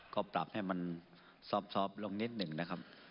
ก็ปรับให้มันซอบลงนิดหนึ่งนะครับ